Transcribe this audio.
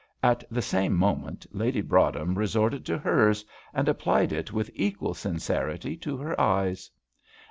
At the same moment Lady Broadhem resorted to hers, and applied it with equal sincerity to her eyes.